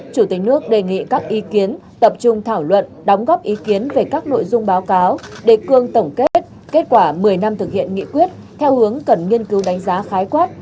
chủ tịch nước đề nghị các ý kiến tập trung thảo luận đóng góp ý kiến về các nội dung báo cáo đề cương tổng kết kết quả một mươi năm thực hiện nghị quyết theo hướng cần nghiên cứu đánh giá khái quát